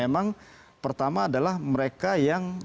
memang pertama adalah mereka yang